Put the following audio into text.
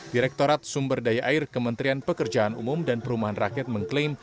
direktorat sumber daya air kementerian pekerjaan umum dan perumahan rakyat mengklaim